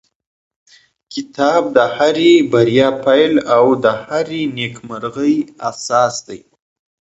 کتاب د هرې بریا پیل او د هرې نېکمرغۍ اساس دی.